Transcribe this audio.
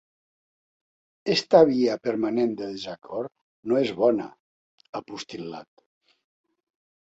“Esta via permanent de desacord no és bona”, ha postil·lat.